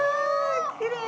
きれい！